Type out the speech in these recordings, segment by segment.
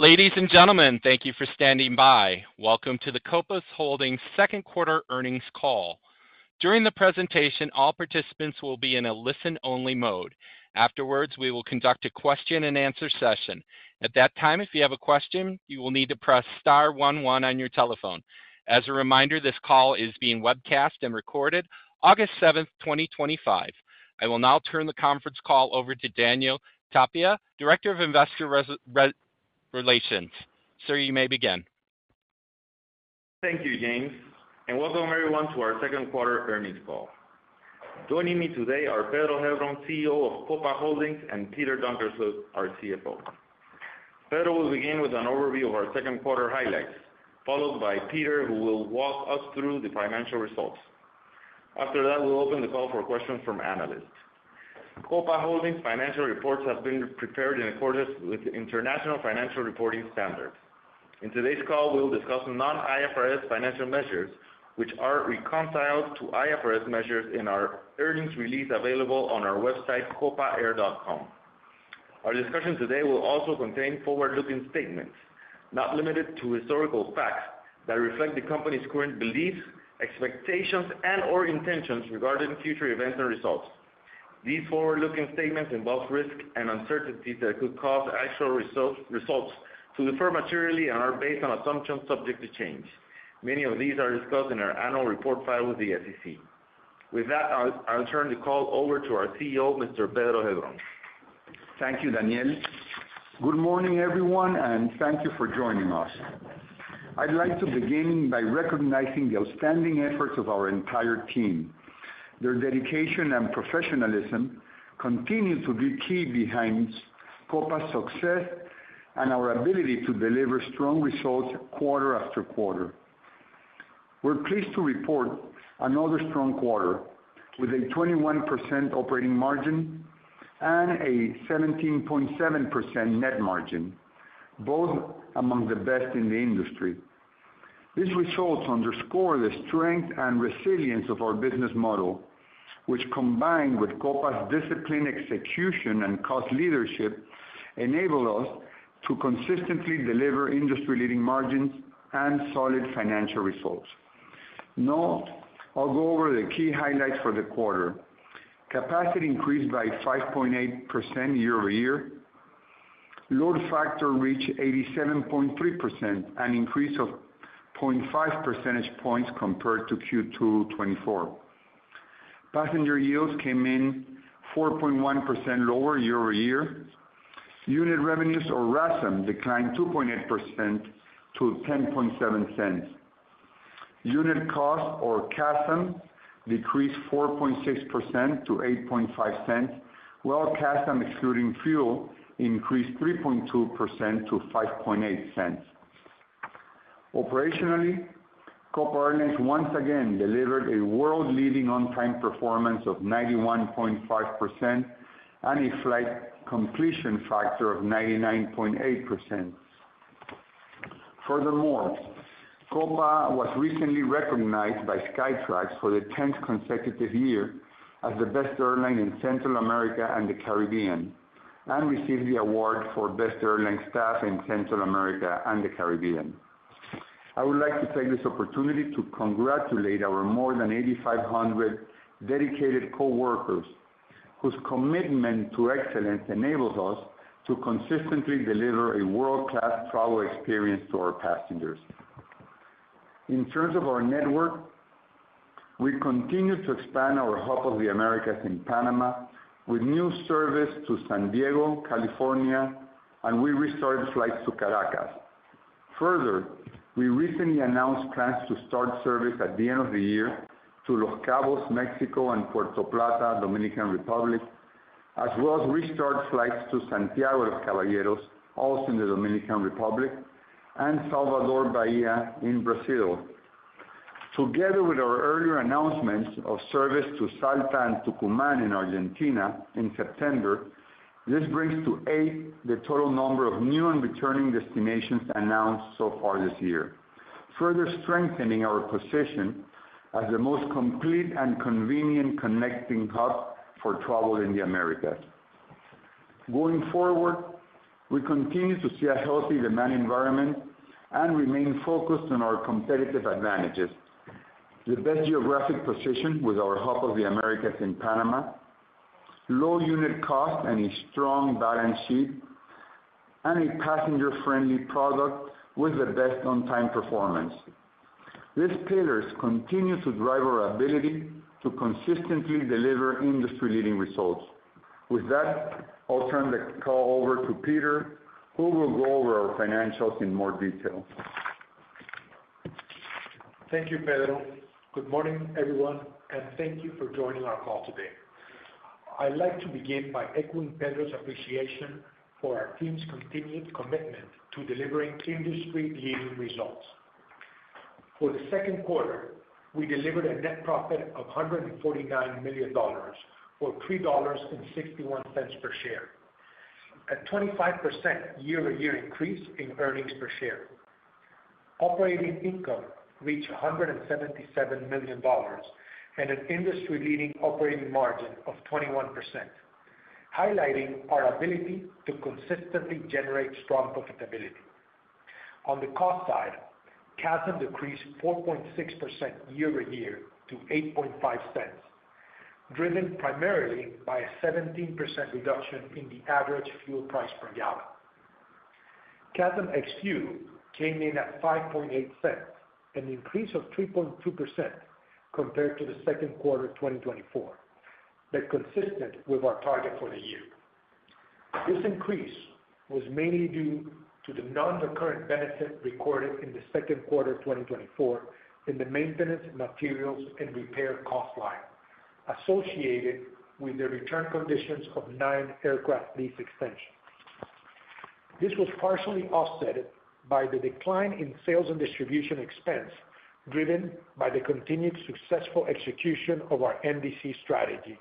Ladies and gentlemen, thank you for standing by. Welcome to the Copa Holdings Second Quarter Earnings Call. During the presentation, all participants will be in a listen-only mode. Afterwards, we will conduct a question-and-answer session. At that time, if you have a question, you will need to press Star, one, ne on your telephone. As a reminder, this call is being webcast and recorded, August 7th, 2025. I will now turn the conference call over to Daniel Tapia, Director of Investor Relations. Sir, you may begin. Thank you, James, and welcome everyone to our second quarter earnings call. Joining me today are Pedro Heilbron, CEO of Copa Holdings, and Peter Donkersloot, our CFO. Pedro will begin with an overview of our second quarter highlights, followed by Peter, who will walk us through the financial results. After that, we'll open the call for questions from analysts. Copa Holdings' financial reports have been prepared in accordance with the International Financial Reporting Standard. In today's call, we'll discuss non-IFRS financial measures, which are reconciled to IFRS measures in our earnings release available on our website, copaair.com. Our discussion today will also contain forward-looking statements, not limited to historical facts, that reflect the company's current beliefs, expectations, and/or intentions regarding future events and results. These forward-looking statements involve risks and uncertainties that could cause actual results to differ materially and are based on assumptions subject to change. Many of these are discussed in our annual report filed with the SEC. With that, I'll turn the call over to our CEO, Mr. Pedro Heilbron. Thank you, Daniel. Good morning, everyone, and thank you for joining us. I'd like to begin by recognizing the outstanding efforts of our entire team. Their dedication and professionalism continue to be key behind Copa's success and our ability to deliver strong results quarter after quarter. We're pleased to report another strong quarter with a 21% operating margin and a 17.7% net margin, both among the best in the industry. These results underscore the strength and resilience of our business model, which, combined with Copa's disciplined execution and cost leadership, enable us to consistently deliver industry-leading margins and solid financial results. Now, I'll go over the key highlights for the quarter. Capacity increased by 5.8% year-over-year. Load factor reached 87.3%, an increase of 0.5 percentage points compared to Q2 2024. Passenger yields came in 4.1% lower year-over-year. Unit revenues, or RASM, declined 2.8% to $0.107. Unit cost, or CASM, decreased 4.6% to $0.085, while CASM, excluding fuel, increased 3.2% to $0.058. Operationally, Copa Airlines once again delivered a world-leading on-time performance of 91.5% and a flight completion factor of 99.8%. Furthermore, Copa Airlines was recently recognized by Skytrax for the 10th consecutive year as the best airline in Central America and the Caribbean and received the award for Best Airline Staff in Central America and the Caribbean. I would like to take this opportunity to congratulate our more than 8,500 dedicated coworkers, whose commitment to excellence enables us to consistently deliver a world-class travel experience to our passengers. In terms of our network, we continue to expand our hub of the Americas in Panama with new service to San Diego, California, and we restarted flights to Caracas. Further, we recently announced plans to start service at the end of the year to Los Cabos, Mexico, and Puerto Plata, Dominican Republic, as well as restart flights to Santiago de los Caballeros, also in the Dominican Republic, and Salvador Bahia in Brazil. Together with our earlier announcements of service to Salta and Tucumán in Argentina in September, this brings to eight the total number of new and returning destinations announced so far this year, further strengthening our position as the most complete and convenient connecting hub for travel in the Americas. Going forward, we continue to see a healthy demand environment and remain focused on our competitive advantages: the best geographic position with our hub of the Americas in Panama, low unit cost and a strong balance sheet, and a passenger-friendly product with the best on-time performance. These pillars continue to drive our ability to consistently deliver industry-leading results. With that, I'll turn the call over to Peter, who will go over our financials in more detail. Thank you, Pedro. Good morning, everyone, and thank you for joining our call today. I'd like to begin by echoing Pedro's appreciation for our team's continued commitment to delivering industry-leading results. For the second quarter, we delivered a net profit of $149 million, or $3.61 per share, a 25% year-over-year increase in earnings per share. Operating income reached $177 million and an industry-leading operating margin of 21%, highlighting our ability to consistently generate strong profitability. On the cost side, CASM decreased 4.6% year-over-year to $0.085, driven primarily by a 17% reduction in the average fuel price per gallon. CASM ex-fuel came in at $0.058, an increase of 3.2% compared to the second quarter of 2024 that is consistent with our target for the year. This increase was mainly due to the non-recurrent benefit recorded in the second quarter of 2023 in the maintenance, materials, and repair cost line, associated with the return conditions of nine aircraft lease extensions. This was partially offset by the decline in sales and distribution expense, driven by the continued successful execution of our NDC strategy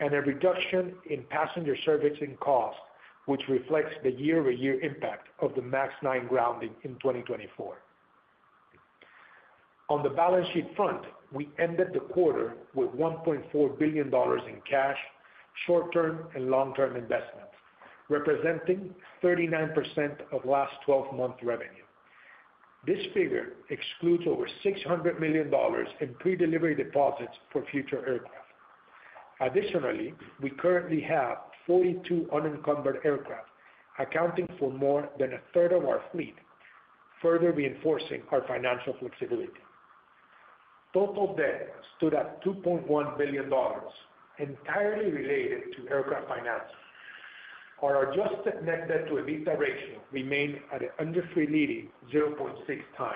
and a reduction in passenger service cost, which reflects the year-over-year impact of the MAX 9 grounding in 2024. On the balance sheet front, we ended the quarter with $1.4 billion in cash, short-term and long-term investments, representing 39% of last 12-month revenue. This figure excludes over $600 million in pre-delivery deposits for future aircraft. Additionally, we currently have 42 unencumbered aircraft accounting for more than a third of our fleet, further reinforcing our financial flexibility. Total debt stood at $2.1 billion, entirely related to aircraft financing. Our adjusted net debt-to-EBITDA ratio remained at under 3.8x,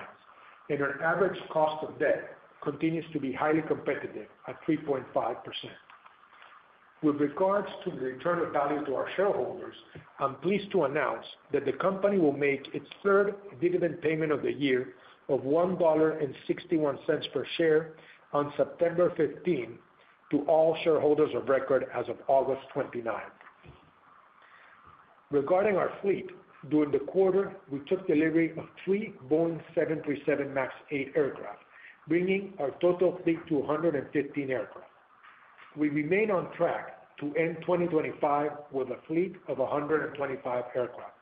and our average cost of debt continues to be highly competitive at 3.5%. With regards to the return of value to our shareholders, I'm pleased to announce that the company will make its third dividend payment of the year of $1.61 per share on September 15 to all shareholders of record as of August 29th. Regarding our fleet, during the quarter, we took delivery of three Boeing 737 MAX 8 aircraft, bringing our total fleet to 115 aircraft. We remain on track to end 2025 with a fleet of 125 aircraft,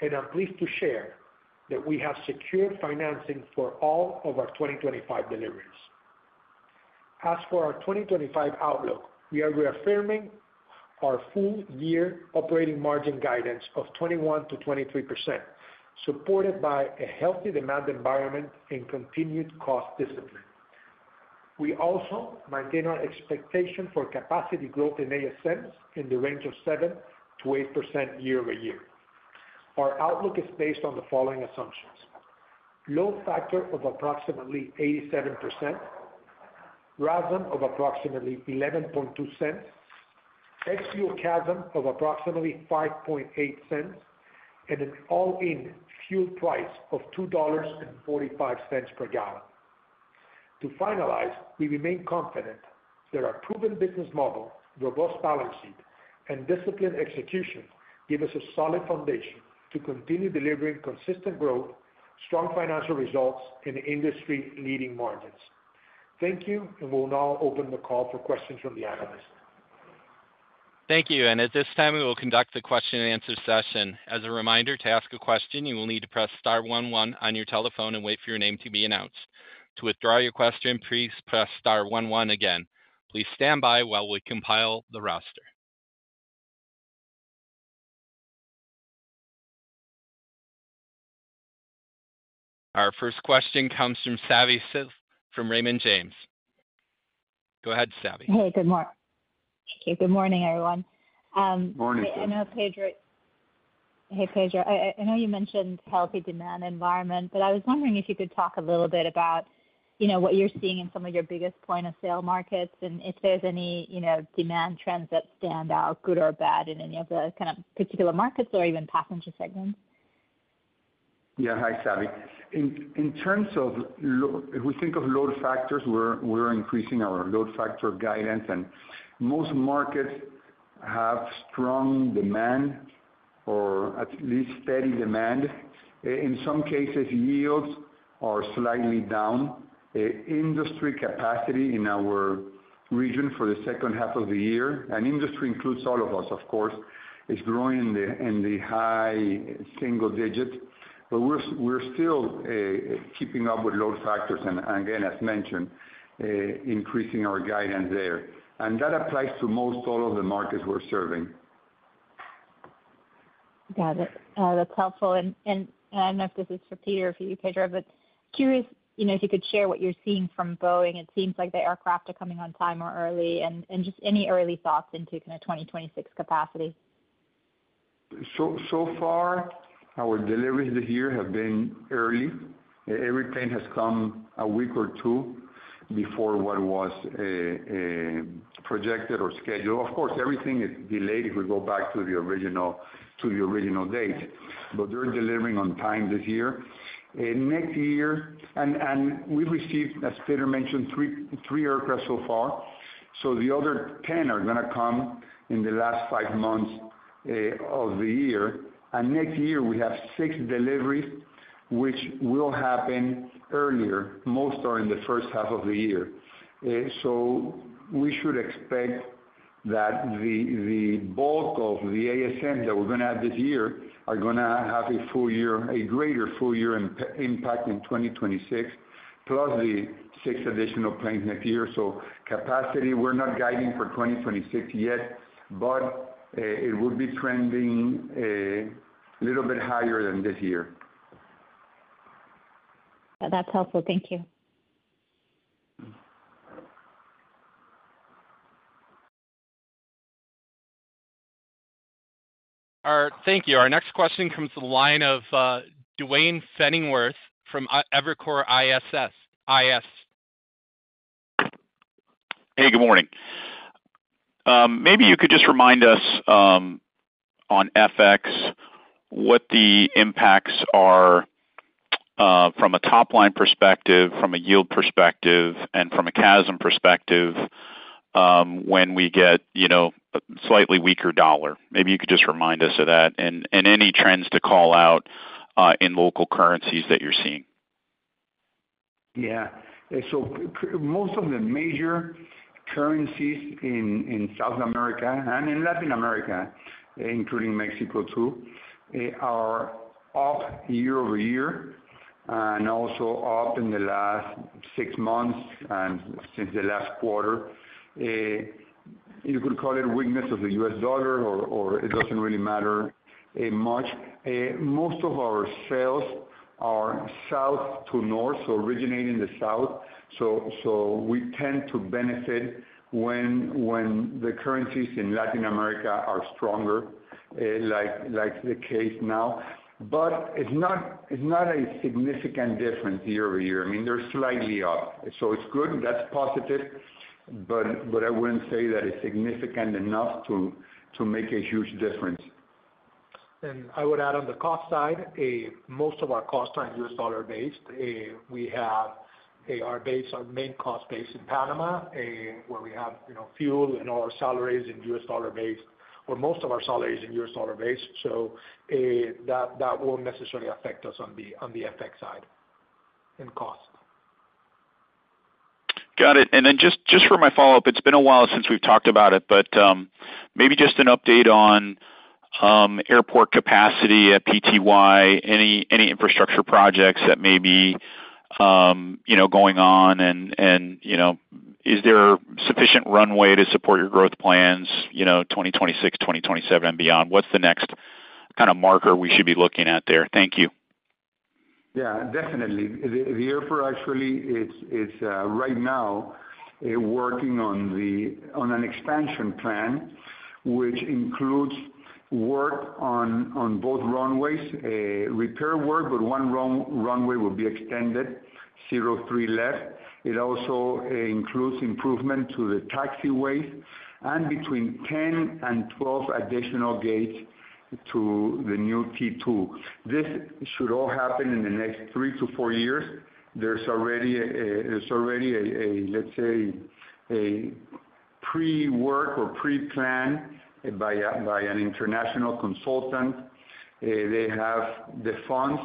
and I'm pleased to share that we have secured financing for all of our 2025 deliveries. As for our 2025 outlook, we are reaffirming our full-year operating margin guidance of 21%-23%, supported by a healthy demand environment and continued cost discipline. We also maintain our expectation for capacity growth in ASMs in the range of 7%-8% year-over-year. Our outlook is based on the following assumptions: load factor of approximately 87%, RASM of approximately $0.112, ex-fuel CASM of approximately $0.058, and an all-in fuel price of $2.45 per gallon. To finalize, we remain confident that our proven business model, robust balance sheet, and disciplined execution give us a solid foundation to continue delivering consistent growth, strong financial results, and industry-leading margins. Thank you, and we'll now open the call for questions from the analysts. Thank you, and at this time, we will conduct the question-and-answer session. As a reminder, to ask a question, you will need to press Star, one, one on your telephone and wait for your name to be announced. To withdraw your question, please press Star, one, one again. Please stand by while we compile the roster. Our first question comes from Savi Syth from Raymond James. Go ahead, Savi. Hey, good morning. Good morning, everyone. Morning. I know Pedro, I know you mentioned the healthy demand environment, but I was wondering if you could talk a little bit about what you're seeing in some of your biggest point-of-sale markets and if there's any demand trends that stand out, good or bad, in any of the particular markets or even passenger segments? Yeah, hi, Savi. In terms of load, if we think of load factors, we're increasing our load factor guidance, and most markets have strong demand or at least steady demand. In some cases, yields are slightly down. Industry capacity in our region for the second half of the year, and industry includes all of us, of course, is growing in the high single digit, but we're still keeping up with load factors, and again, as mentioned, increasing our guidance there. That applies to most all of the markets we're serving. Got it. That's helpful. I don't know if this is for Peter or for you, Pedro, but curious, you know, if you could share what you're seeing from Boeing. It seems like the aircraft are coming on time or early, and just any early thoughts into kind of 2026 capacity? Our deliveries this year have been early. Every plane has come a week or two before what was projected or scheduled. Of course, everything is delayed if we go back to the original date, but they're delivering on time this year. As Peter mentioned, we've received three aircraft so far, so the other 10 are going to come in the last five months of the year. Next year, we have six deliveries, which will happen earlier. Most are in the first half of the year. We should expect that the bulk of the ASMs that we're going to have this year are going to have a greater full-year impact in 2026, plus the six additional planes next year. Capacity, we're not guiding for 2026 yet, but it would be trending a little bit higher than this year. That's helpful. Thank you. Thank you. Our next question comes to the line of Duane Pfennigwerth from Evercore ISI. Hey, good morning. Maybe you could just remind us on FX what the impacts are from a top-line perspective, from a yield perspective, and from a CASM perspective when we get, you know, a slightly weaker dollar. Maybe you could just remind us of that and any trends to call out in local currencies that you're seeing. Yeah. Most of the major currencies in South America and in Latin America, including Mexico too, are up year over year and also up in the last six months and since the last quarter. You could call it weakness of the U.S. dollar, or it doesn't really matter much. Most of our sales are south to north, so originating in the south. We tend to benefit when the currencies in Latin America are stronger, like the case now. It's not a significant difference year over year. I mean, they're slightly up. It's good. That's positive. I wouldn't say that it's significant enough to make a huge difference. I would add on the cost side, most of our costs are U.S. dollar based. We have our main cost base in Panama, where we have fuel and all our salaries in U.S. dollar based, or most of our salaries in U.S. dollar based. That won't necessarily affect us on the FX side in cost. Got it. Just for my follow-up, it's been a while since we've talked about it, but maybe just an update on airport capacity at PTY any infrastructure projects that may be going on, and you know, is there sufficient runway to support your growth plans, you know, 2026, 2027, and beyond? What's the next kind of marker we should be looking at there? Thank you. Yeah, definitely. The airport actually is right now working on an expansion plan, which includes work on both runways, repair work, but one runway will be extended, 03 Left. It also includes improvement to the taxiway and between 10 and 12 additional gates to the new T2. This should all happen in the next three to four years. There's already, let's say, pre-work or pre-plan by an international consultant. They have the funds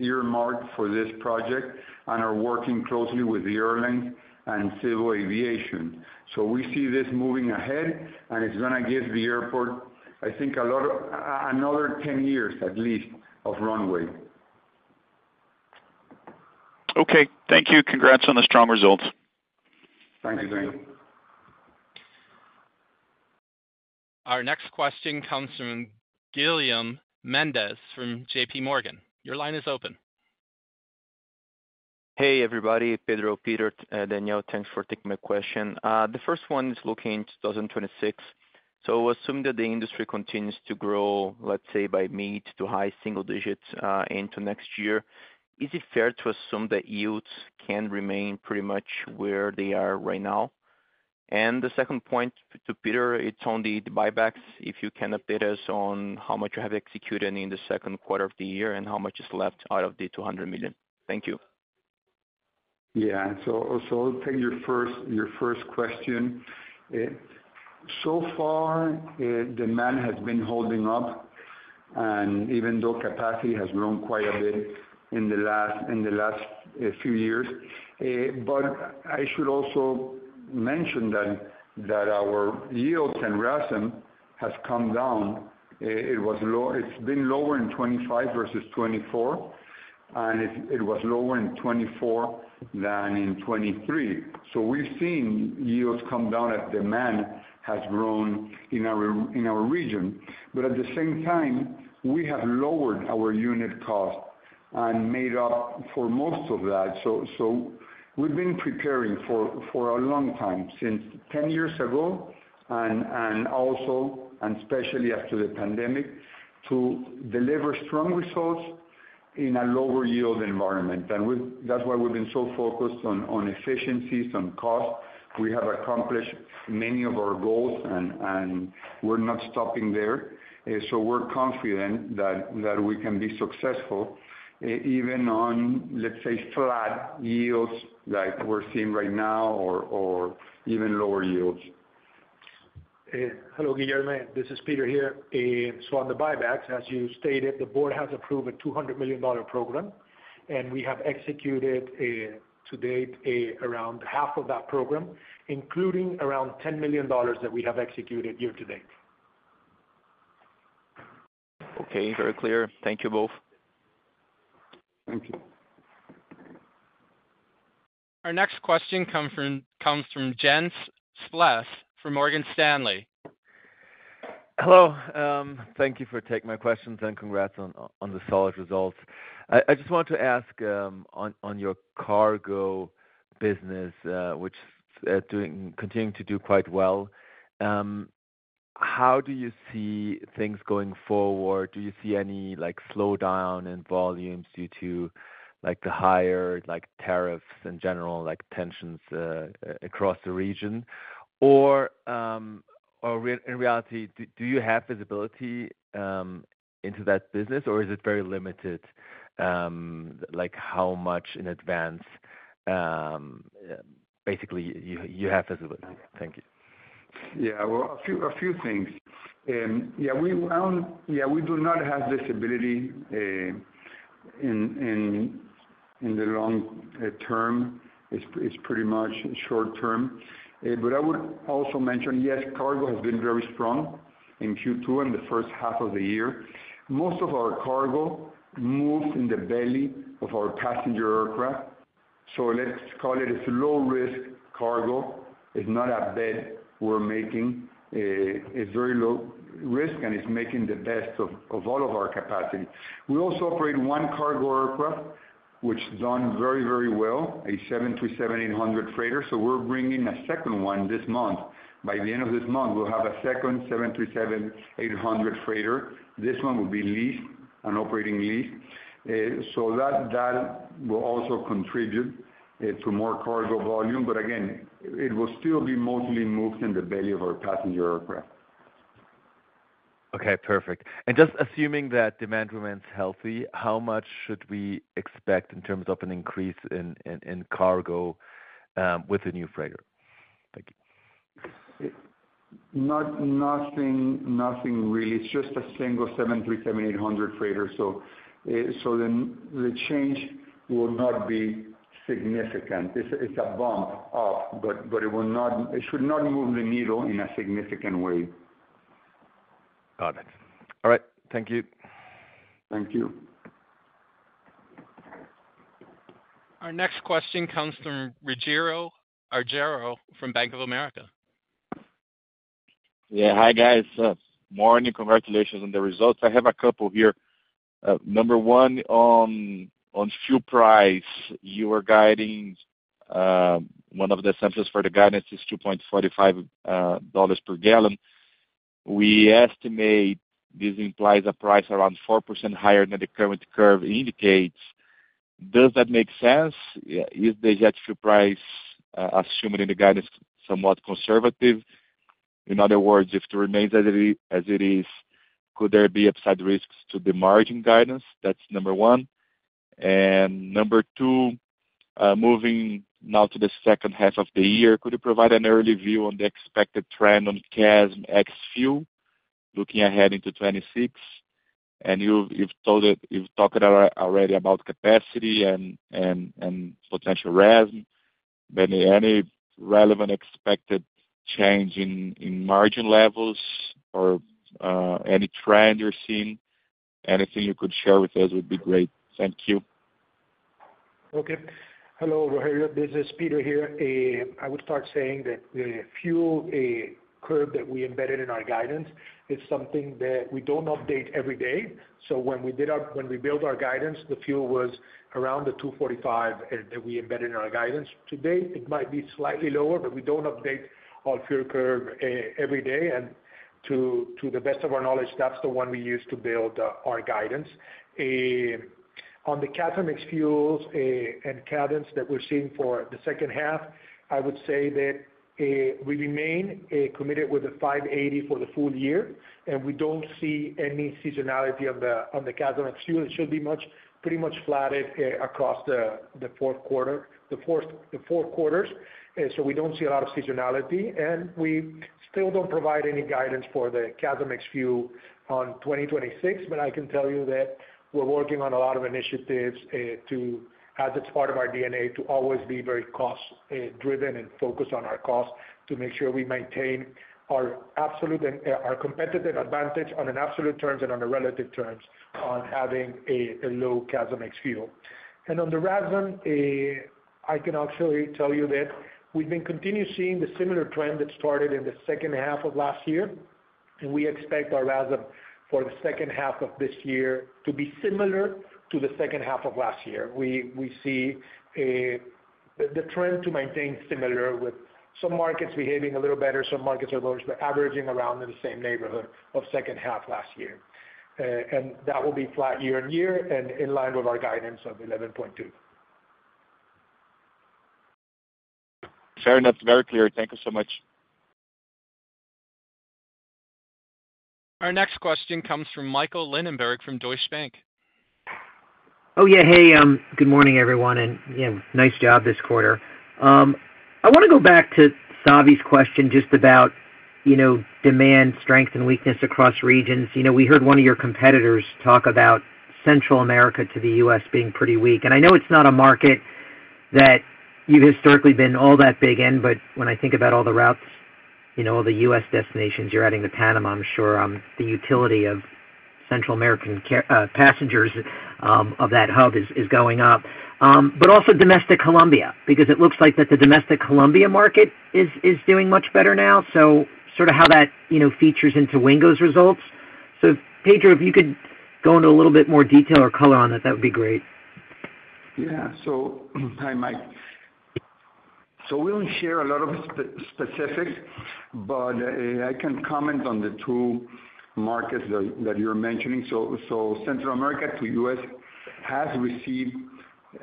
earmarked for this project and are working closely with the airlines and civil aviation. We see this moving ahead, and it's going to give the airport, I think, a lot of another 10 years at least of runway. Okay, thank you. Congrats on the strong results. Thank you, Daune. Our next question comes from Guilherme Mendes from JPMorgan. Your line is open. Hey, everybody. Pedro, Peter, Daniel, thanks for taking my question. The first one is looking into 2026. I will assume that the industry continues to grow, let's say, by mid to high single digits into next year. Is it fair to assume that yields can remain pretty much where they are right now? The second point to Peter, it's on the buybacks. If you can update us on how much you have executed in the second quarter of the year and how much is left out of the $200 million. Thank you. Yeah. I'll take your first question. So far, demand has been holding up, even though capacity has grown quite a bit in the last few years. I should also mention that our yields and RASM have come down. It's been lower in 2025 versus 2024, and it was lower in 2024 than in 2023. We've seen yields come down as demand has grown in our region. At the same time, we have lowered our unit cost and made up for most of that. We've been preparing for a long time, since 10 years ago, and especially after the pandemic, to deliver strong results in a lower yield environment. That's why we've been so focused on efficiencies and costs. We have accomplished many of our goals, and we're not stopping there. We're confident that we can be successful even on, let's say, flat yields like we're seeing right now or even lower yields. Hello, Guilherme. This is Peter here. On the buybacks, as you stated, the board has approved a $200 million program, and we have executed to date around half of that program, including around $10 million that we have executed year to date. Okay. Very clear. Thank you both. Our next question comes from Jens Spiess from Morgan Stanley. Hello. Thank you for taking my questions and congrats on the solid results. I just want to ask, on your cargo business, which is continuing to do quite well, how do you see things going forward? Do you see any slowdown in volumes due to the higher tariffs in general, like tensions across the region? In reality, do you have visibility into that business, or is it very limited? How much in advance, basically, you have visibility? Thank you. Yeah, a few things. We do not have visibility in the long term. It's pretty much short term. I would also mention, yes, cargo has been very strong in Q2 and the first half of the year. Most of our cargo moves in the belly of our passenger aircraft. Let's call it low-risk cargo. It's not a bet we're making. It's very low risk, and it's making the best of all of our capacity. We also operate one cargo aircraft, which has done very, very well, a 737-800 freighter. We're bringing a second one this month. By the end of this month, we'll have a second 737-800 freighter. This one will be leased, an operating lease. That will also contribute to more cargo volume. Again, it will still be mostly moved in the belly of our passenger aircraft. Okay. Perfect. Assuming that demand remains healthy, how much should we expect in terms of an increase in cargo with a new freighter? Thank you. Nothing, nothing really. It's just a single 737-800 freighter. The change will not be significant. It's a bump up, but it should not move the needle in a significant way. Got it. All right. Thank you. Thank you. Our next question comes from Rogério Araújo from Bank of America. Yeah. Hi, guys. Morning. Congratulations on the results. I have a couple here. Number one, on fuel price, you are guiding, one of the assumptions for the guidance is $2.45 per gallon. We estimate this implies a price around 4% higher than the current curve indicates. Does that make sense? Is the jet fuel price assumed in the guidance somewhat conservative? In other words, if it remains as it is, could there be upside risks to the margin guidance? That's number one. Number two, moving now to the second half of the year, could you provide an early view on the expected trend on CASM ex-fuel looking ahead into 2026? You've talked already about capacity and potential RASM. Any relevant expected change in margin levels or any trend you're seeing, anything you could share with us would be great. Thank you. Okay. Hello Araújo, Peter here. I would start saying that the fuel curve that we embedded in our guidance is something that we don't update every day. When we built our guidance, the fuel was around the $2.45 that we embedded in our guidance. Today, it might be slightly lower, but we don't update our fuel curve every day. To the best of our knowledge, that's the one we use to build our guidance. On the CASM ex-fuel and guidance that we're seeing for the second half, I would say that we remain committed with the $5.80 for the full year, and we don't see any seasonality on the CASM ex-fuel. It should be pretty much flat across the fourth quarter. The fourth quarters. We don't see a lot of seasonality. We still don't provide any guidance for the CASM ex-fuel on 2026, but I can tell you that we're working on a lot of initiatives to, as it's part of our DNA, to always be very cost-driven and focused on our costs to make sure we maintain our absolute and our competitive advantage on absolute terms and on the relative terms on having a low CASM ex-fuel. On the RASM, I can actually tell you that we've been continuing seeing the similar trend that started in the second half of last year, and we expect our RASM for the second half of this year to be similar to the second half of last year. We see the trend to maintain similar with some markets behaving a little better, some markets are averaging around in the same neighborhood of second half last year. That will be flat year on year and in line with our guidance of 11.2%. Fair enough. Very clear. Thank you so much. Our next question comes from Michael Linenberg from Deutsche Bank. Oh, yeah. Hey, good morning, everyone, and you know, nice job this quarter. I want to go back to Savi's question just about, you know, demand strength and weakness across regions. We heard one of your competitors talk about Central America to the U.S. being pretty weak. I know it's not a market that you've historically been all that big in, but when I think about all the routes, you know, all the U.S. destinations, you're adding to Panama, I'm sure the utility of Central American passengers of that hub is going up. Also, domestic Colombia, because it looks like the domestic Colombia market is doing much better now. Sort of how that, you know, features into Wingo's results. Pedro, if you could go into a little bit more detail or color on that, that would be great. Yeah. Hi, Mike. We don't share a lot of specifics, but I can comment on the two markets that you're mentioning. Central America to the U.S. has received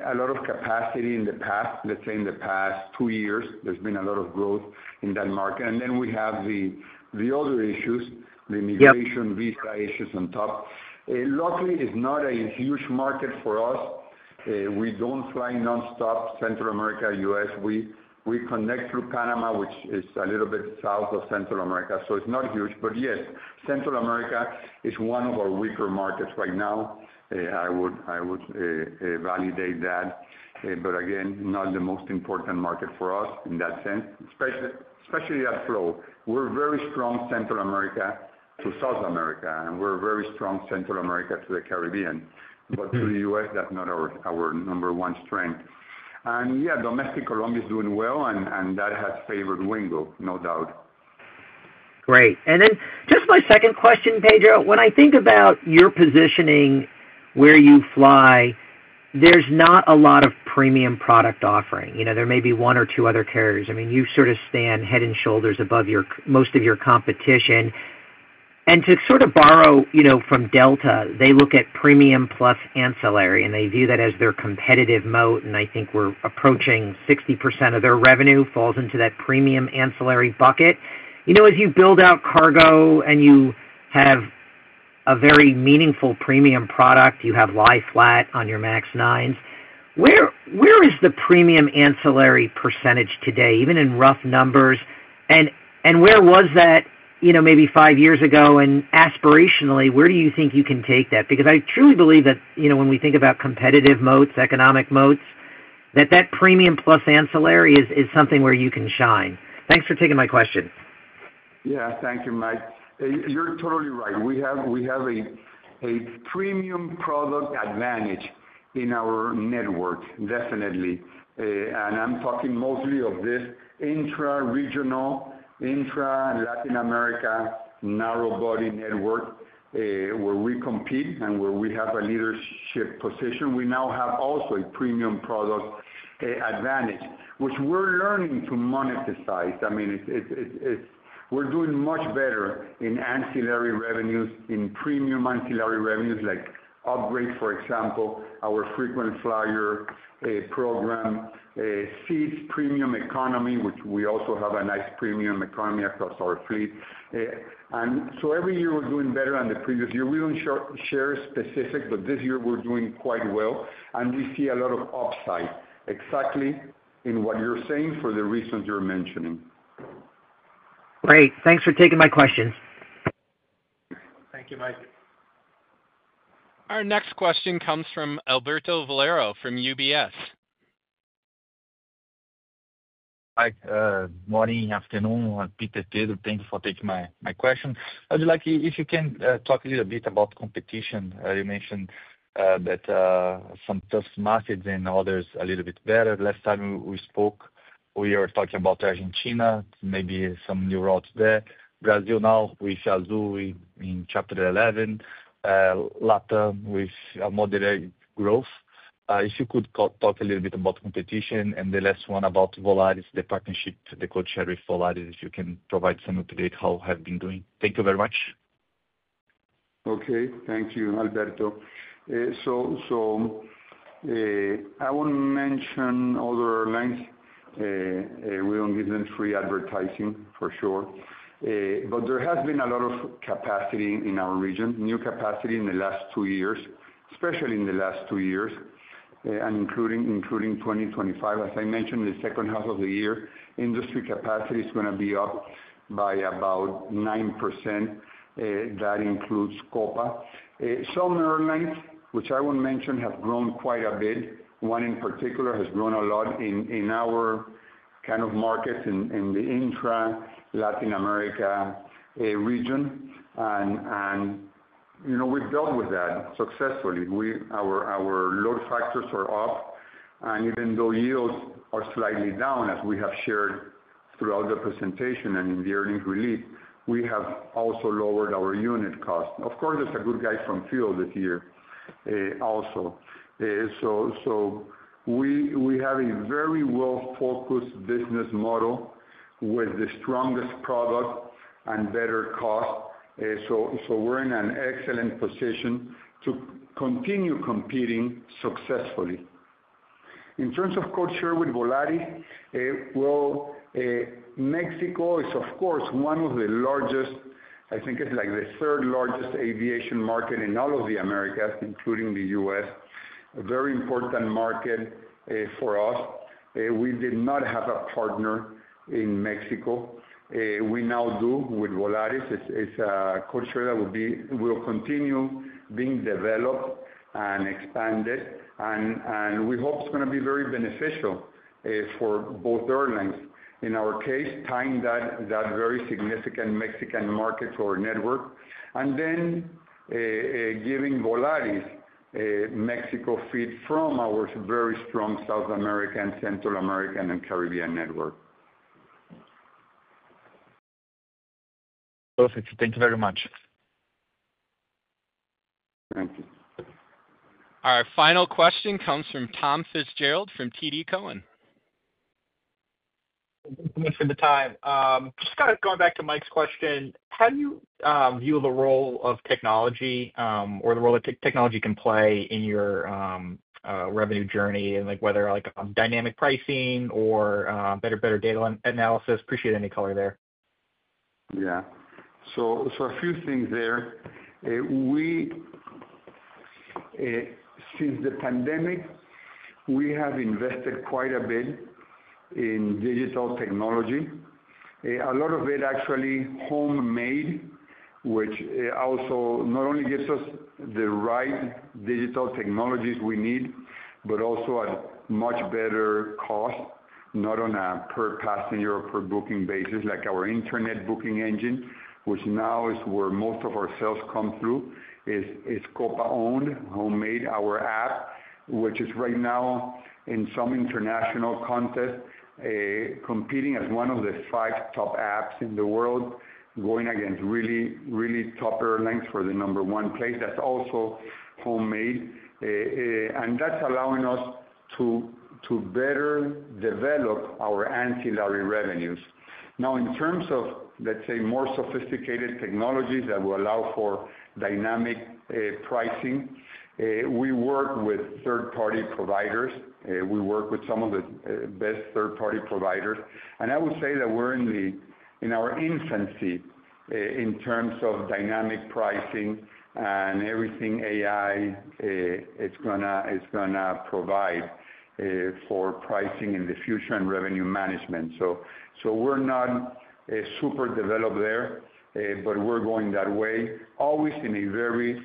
a lot of capacity in the past, let's say in the past two years. There's been a lot of growth in that market, and then we have the other issues, the immigration visa issues on top. Luckily, it's not a huge market for us. We don't fly nonstop Central America to the U.S. We connect through Panama, which is a little bit south of Central America. It's not huge. Yes, Central America is one of our weaker markets right now. I would validate that. Again, not the most important market for us in that sense, especially that flow. We're very strong Central America to South America, and we're very strong Central America to the Caribbean. To the U.S., that's not our number one strength. Yeah, domestic Colombia is doing well, and that has favored Wingo, no doubt. Great. My second question, Pedro, when I think about your positioning where you fly, there's not a lot of premium product offering. There may be one or two other carriers. You sort of stand head and shoulders above most of your competition. To sort of borrow from Delta, they look at premium plus ancillary, and they view that as their competitive moat. I think we're approaching 60% of their revenue falls into that premium ancillary bucket. As you build out cargo and you have a very meaningful premium product, you have lie-flat on your MAX 9s. Where is the premium ancillary percentage today, even in rough numbers? Where was that maybe five years ago? Aspirationally, where do you think you can take that? I truly believe that when we think about competitive moats, economic moats, that premium plus ancillary is something where you can shine. Thanks for taking my question. Yeah, thank you, Mike. You're totally right. We have a premium product advantage in our network, definitely. I'm talking mostly of this intra-regional, intra-Latin America narrow-body network where we compete and where we have a leadership position. We now have also a premium product advantage, which we're learning to monetize. I mean, we're doing much better in ancillary revenues, in premium ancillary revenues, like upgrades, for example, our frequent flyer program, seat premium economy, which we also have a nice premium economy across our fleet. Every year we're doing better than the previous year. We don't share specifics, but this year we're doing quite well, and we see a lot of upside, exactly in what you're saying for the reasons you're mentioning. Great. Thanks for taking my questions. Thank you, Mike. Our next question comes from Alberto Valerio from UBS. Hi. Morning, afternoon, and Peter, Pedro, thank you for taking my questions. I'd like you, if you can, talk a little bit about competition. You mentioned that some test masses and others a little bit better. Last time we spoke, we were talking about Argentina, maybe some new routes there. Brazil now with Azul in Chapter 11, LATAM with a moderate growth. If you could talk a little bit about competition and the last one about Volaris, the partnership that could share with Volaris, if you can provide some update on how it has been doing. Thank you very much. Okay. Thank you, Alberto. I will mention other lines. We don't give them free advertising, for sure. There has been a lot of capacity in our region, new capacity in the last two years, especially in the last two years, and including 2025. As I mentioned, the second half of the year, industry capacity is going to be up by about 9%. That includes Copa. Some airlines, which I will mention, have grown quite a bit. One in particular has grown a lot in our kind of markets in the intra-Latin America region. We've dealt with that successfully. Our load factors are up, and even though yields are slightly down, as we have shared throughout the presentation and in the earnings release, we have also lowered our unit cost. Of course, there's a good guy from fuel this year also. We have a very well-focused business model with the strongest product and better cost. We're in an excellent position to continue competing successfully. In terms of code share with Volaris, Mexico is, of course, one of the largest, I think it's like the third largest aviation market in all of the Americas, including the U.S. A very important market for us. We did not have a partner in Mexico. We now do with Volaris. It's a code share that will continue being developed and expanded. We hope it's going to be very beneficial for both airlines. In our case, tying that very significant Mexican market for our network, and then giving Volaris Mexico feed from our very strong South American, Central American, and Caribbean network. Perfect. Thank you very much. Thank you. Our final question comes from Tom Fitzgerald from TD Cowen. Thanks for the time. Just kind of going back to Mike's question, how do you view the role of technology or the role that technology can play in your revenue journey, and whether like dynamic pricing or better data analysis? Appreciate any color there. Yeah. A few things there. Since the pandemic, we have invested quite a bit in digital technology. A lot of it actually is homemade, which not only gives us the right digital technologies we need, but also at a much better cost, not on a per passenger or per booking basis. Like our internet booking engine, which now is where most of our sales come through, is Copa-owned, homemade. Our app, which is right now in some international contests competing as one of the five top apps in the world, going against really, really top airlines for the number one place, that's also homemade. That's allowing us to better develop our ancillary revenues. In terms of, let's say, more sophisticated technologies that will allow for dynamic pricing, we work with third-party providers. We work with some of the best third-party providers. I would say that we're in our infancy in terms of dynamic pricing and everything AI is going to provide for pricing in the future and revenue management. We're not super developed there, but we're going that way, always in a very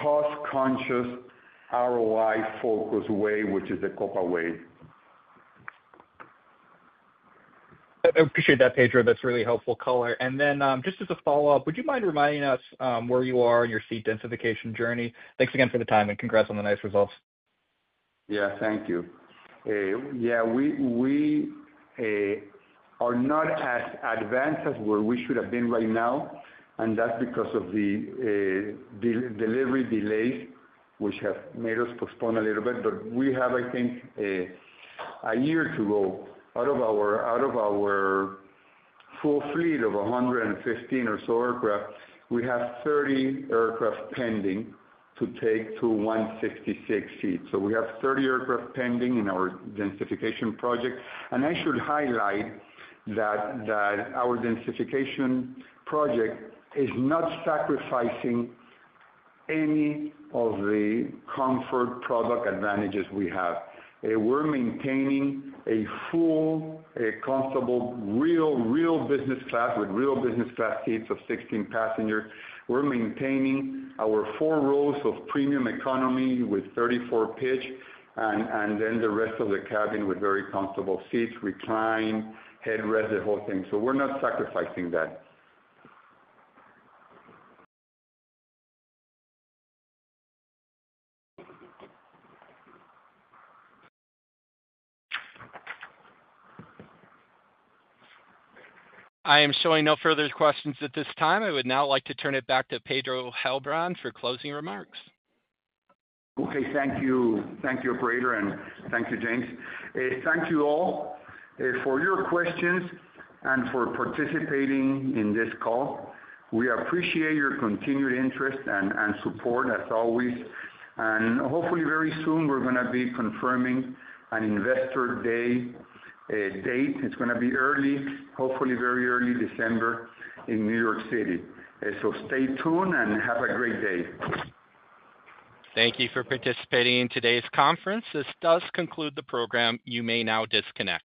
cost-conscious, ROI-focused way, which is the Copa way. I appreciate that, Pedro. That's really helpful color. Just as a follow-up, would you mind reminding us where you are in your seat densification journey? Thanks again for the time, and congrats on the nice results. Thank you. We are not as advanced as where we should have been right now, and that's because of the delivery delays, which have made us postpone a little bit. We have, I think, a year to go. Out of our full fleet of 115 or so aircraft, we have 30 aircraft pending to take to 156 seats. We have 30 aircraft pending in our densification project. I should highlight that our densification project is not sacrificing any of the comfort product advantages we have. We're maintaining a full, comfortable, real business class with real business class seats of 16 passengers. We're maintaining our four rows of premium economy with 34 pitch, and then the rest of the cabin with very comfortable seats, recline, headrest, the whole thing. We're not sacrificing that. I am showing no further questions at this time. I would now like to turn it back to Pedro Heilbron for closing remarks. Okay. Thank you. Thank you, operator, and thank you, James. Thank you all for your questions and for participating in this call. We appreciate your continued interest and support, as always. Hopefully, very soon, we're going to be confirming an investor day date. It's going to be early, hopefully very early December in New York City. Stay tuned and have a great day. Thank you for participating in today's conference. This does conclude the program. You may now disconnect.